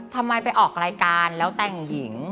ทำไมไปออกรายการแล้วแต่งหญิง